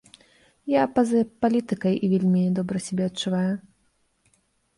Я па-за палітыкай і вельмі добра сябе адчуваю.